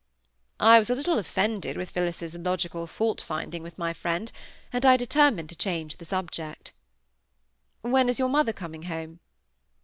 I was a little offended with Phillis's logical fault finding with my friend; and I determined to change the subject. "When is your mother coming home?"